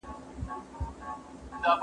د علم دروازې تل پرانیستې دي.